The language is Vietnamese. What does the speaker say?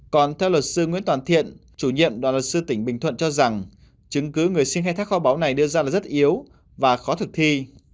còn theo luật sư nguyễn toàn thiện chủ nhiệm đoàn luật sư tỉnh bình thuận cho rằng chứng cứ người xin khai thác kho báu này đưa ra là rất yếu và khó thực thi